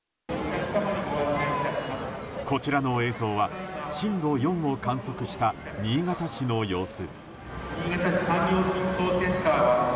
こちらの映像は震度４を観測した新潟市の様子。